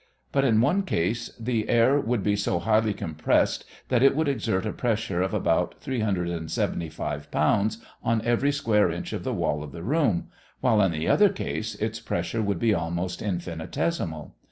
But in one case the air would be so highly compressed that it would exert a pressure of about 375 pounds on every square inch of the wall of the room, while in the other case its pressure would be almost infinitesimal.